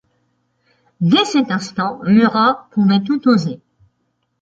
Dès cet instant Murat pouvait tout oser.